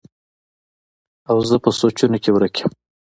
او زۀ پۀ سوچونو کښې ورک يم